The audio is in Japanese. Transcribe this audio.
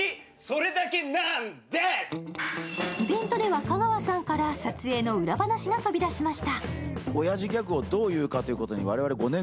イベントでは香川さんから撮影の裏話が飛び出しました。